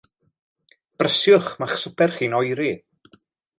Brysiwch, mae'ch swper chi'n oeri.